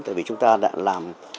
tại vì chúng ta đã làm